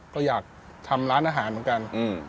ก็อยากทำร้านอาหารเหมือนกัน